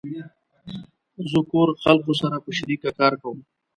زه کور خلقو سره په شریکه کار کوم